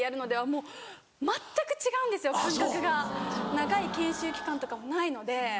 長い研修期間とかもないので。